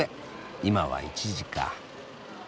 今は１時か。